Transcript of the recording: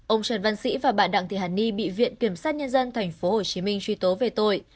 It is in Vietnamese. ông trần văn sĩ và bà đặng thị hằng nhi bị viện kiểm sát nhân dân tp hcm truy tố về tội